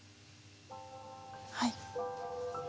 はい。